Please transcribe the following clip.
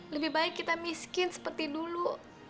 lebih baik kita miskin seperti dulu